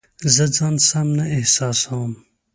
زه ځان سم نه احساسوم